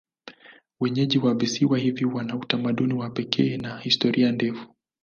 Wenyeji wa visiwa hivi wana utamaduni wa pekee na historia ndefu.